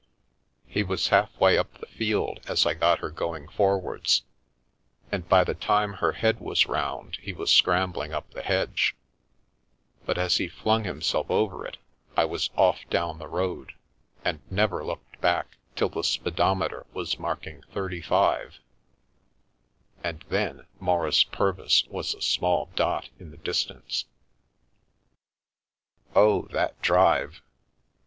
He was half way up the field as I got her going forwards, and by the time her head was round he was scrambling up the hedge, but as he flung himself over it I was off down the road, and never looked back till the speed ometer was marking thirty five, and then Maurice Purvis was a small dot in the distance. Oh, that drive